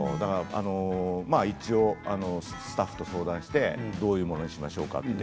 一応スタッフと相談してどういうものにしましょうかと。